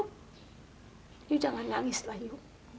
kamu jangan nangislah kamu